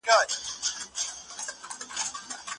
امو سيند د پولې ساتونکی دی.